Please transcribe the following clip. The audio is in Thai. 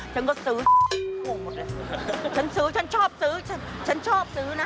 ฉันก็ซื้อถูกหมดเลยฉันชอบซื้อนะ